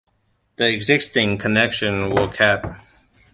The existing connections were kept.